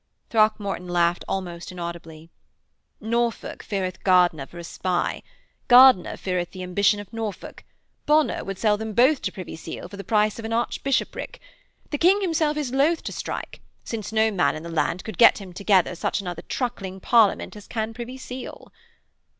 Throckmorton laughed almost inaudibly. 'Norfolk feareth Gardiner for a spy; Gardiner feareth the ambition of Norfolk; Bonner would sell them both to Privy Seal for the price of an archbishopric. The King himself is loth to strike, since no man in the land could get him together such another truckling Parliament as can Privy Seal.'